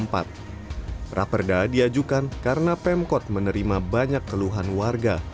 pera perda diajukan karena pemkot menerima banyak keluhan warga